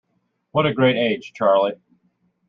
What a great age, Charley!